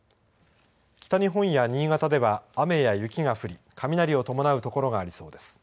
北日本や新潟では雨や雪が降り雷を伴う所がありそうです。